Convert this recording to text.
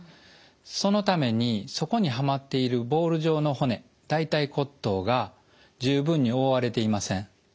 そのためにそこにはまっているボール状の骨大腿骨頭が十分に覆われていません。